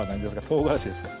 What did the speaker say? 唐辛子ですか？